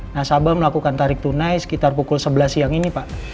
nasabah melakukan tarik tunai sekitar pukul sebelas siang ini pak